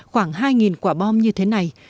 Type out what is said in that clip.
khoảng hai quả bom như thế này